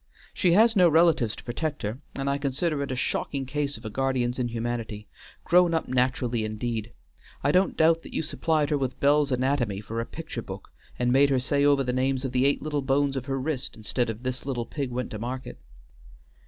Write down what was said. "She has no relatives to protect her, and I consider it a shocking case of a guardian's inhumanity. Grown up naturally indeed! I don't doubt that you supplied her with Bell's 'Anatomy' for a picture book and made her say over the names of the eight little bones of her wrist, instead of 'This little pig went to market.'"